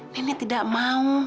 nenek tidak mau